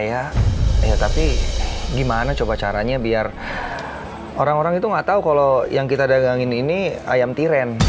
ya tapi gimana caranya biar orang orang itu nggak tahu kalau yang kita dagangin ini ayam tiren